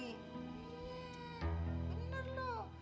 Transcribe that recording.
iya bener loh